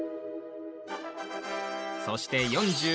そして４５日後。